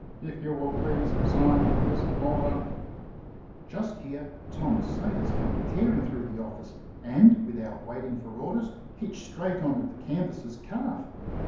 If you will please sign this order " Just here Tom Sayers came tearing through the office, and without waiting for orders hitched straight on to the can vasser's calf.